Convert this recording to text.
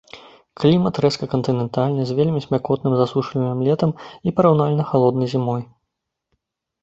Клімат рэзка-кантынентальны з вельмі спякотным засушлівым летам і параўнальна халоднай зімой.